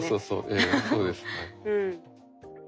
ええそうですはい。